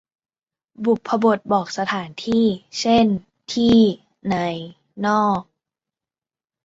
บุพบทบอกสถานที่ เช่น ที่ ใน นอก